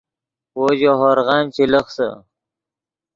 وو ژے ہورغن چے لخسے